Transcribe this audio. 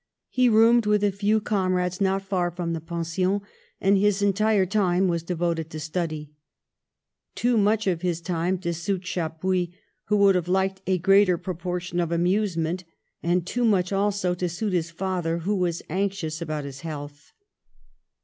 He roomed with a few com rades not far from the Pension, and his entire time was devoted to study. Too much of his time to suit Chappuis, who would have liked a greater proportion of amusement, and too much also, to suit his father, who was anxious about his health.